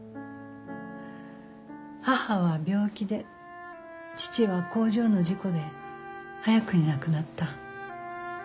母は病気で父は工場の事故で早くに亡くなった。